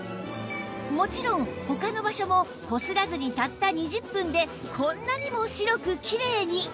もちろん他の場所もこすらずにたった２０分でこんなにも白くきれいに！